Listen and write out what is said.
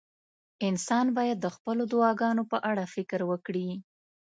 انسان باید د خپلو دعاګانو په اړه فکر وکړي.